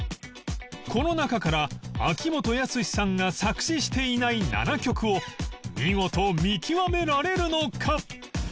この中から秋元康さんが作詞していない７曲を見事見極められるのか？